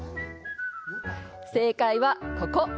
正解は、ここ！